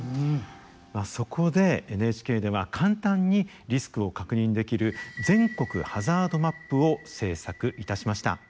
そこでＮＨＫでは簡単にリスクを確認できる全国ハザードマップを制作いたしました。